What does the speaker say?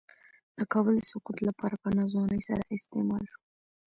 د کابل د سقوط لپاره په ناځوانۍ سره استعمال شو.